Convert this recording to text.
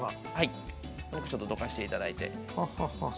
ちょっとどかしていただいて。